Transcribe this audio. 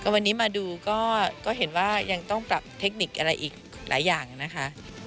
วันนี้มาดูก็เห็นว่ายังต้องปรับเทคนิคอะไรอีกหลายอย่างนะคะ